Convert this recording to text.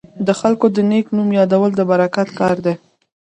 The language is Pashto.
د خلکو د نیک نوم یادول د برکت کار دی.